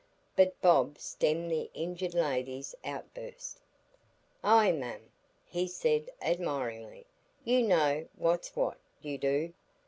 But Bob stemmed the injured lady's outburst. "Ay, mum," he said admiringly, "you know what's what—you do.